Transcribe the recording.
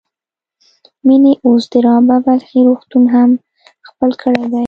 مينې اوس د رابعه بلخي روغتون هم خپل کړی دی.